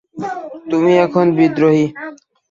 তুমি এখন বিদ্রোহী!